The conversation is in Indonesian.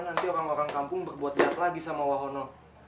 nanti orang orang kampung berbuat lihat lagi sama wahono